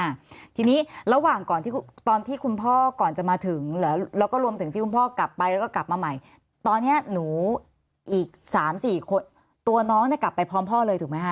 อ่าทีนี้ระหว่างก่อนที่ตอนที่คุณพ่อก่อนจะมาถึงเหรอแล้วก็รวมถึงที่คุณพ่อกลับไปแล้วก็กลับมาใหม่ตอนเนี้ยหนูอีกสามสี่คนตัวน้องเนี่ยกลับไปพร้อมพ่อเลยถูกไหมค